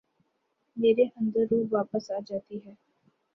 میرے اندر روح واپس آ جاتی ہے ۔